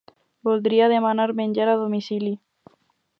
Voldria demanar menjar a domicili.